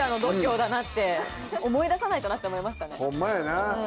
ホンマやな。